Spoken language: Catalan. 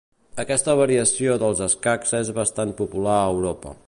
Aquesta variació dels escacs és bastant popular a Europa.